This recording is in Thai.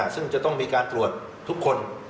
ซึ่งจะต้องมีการตรวจทุกคน